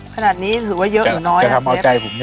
ขนาดนี้ถือว่าเยอะอีกน้อยนะเชฟจะทำเอาใจผมใช่ไหมใช่ใช่